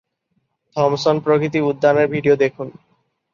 Thomson প্রকৃতি উদ্যানের video দেখুন